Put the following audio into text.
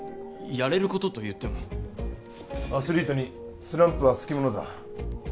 やれることといってもアスリートにスランプはつきものだ